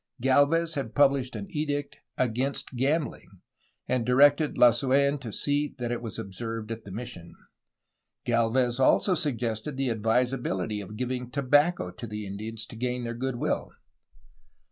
Gdlvez had pubhshed an edict against gambling, and di rected Lasu^n to see that it was observed at the mission. Gdlvez also suggested the advisability of giving tobacco to the Indians to gain their good will.